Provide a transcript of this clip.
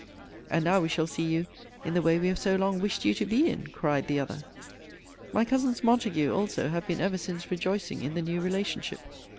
And now we shall see you in the way we have so long wished you to be in, cried the other! My cousins Montague also have been ever since rejoicing in the new relationship.